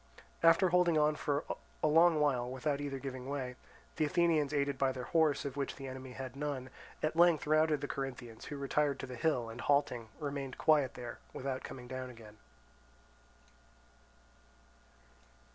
After holding on for a long while without either giving way, the Athenians aided by their horse, of which the enemy had none, at length routed the Corinthians, who retired to the hill and, halting, remained quiet there, without coming down again.